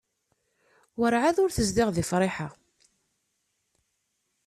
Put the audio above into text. Werɛad ur tezdiɣ deg Friḥa.